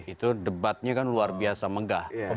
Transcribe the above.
itu debatnya kan luar biasa megah